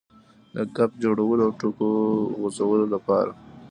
د ګپ جوړولو او ټوکو غځولو لپاره.